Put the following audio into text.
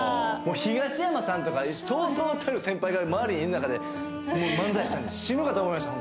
東山さんとかそうそうたる先輩が周りにいる中で漫才したんで死ぬかと思いました